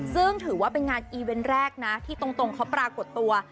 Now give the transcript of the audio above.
ซึ่งถือว่าเป็นงานอีเวนต์แรกนะที่ตรงเขาปรากฏตัว